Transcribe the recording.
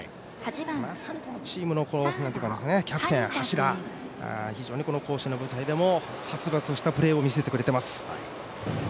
まさにこのチームのキャプテン、柱非常に甲子園の舞台でもはつらつとしたプレーを見せてくれています。